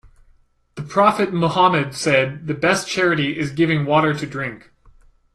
The Prophet Muhammad said, "The best charity is giving water to drink".